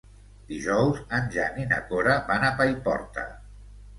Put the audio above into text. Dijous en Jan i na Cora van a Paiporta.